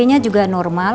usg nya juga normal